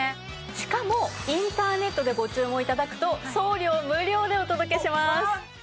しかもインターネットでご注文頂くと送料無料でお届けします。